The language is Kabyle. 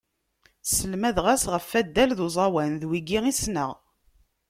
Sselmadeɣ-as ɣef waddal d uẓawan, d wigi i ssneɣ.